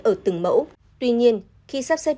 ở từng mẫu tuy nhiên khi sắp xếp